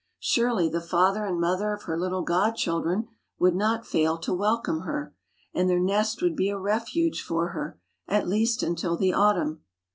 Surely, the father and mother of her little god children would not fail to welcome her ; and their nest would be a refuge for her, at least until the autumn.